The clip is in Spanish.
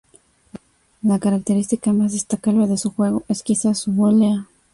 La característica más destacable de su juego es quizás su volea.